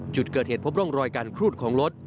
จุดเกิดเหตุพบร่องรอยการครูดของรถ